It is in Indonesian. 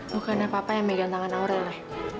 bukannya papa yang medan tangan aurel ya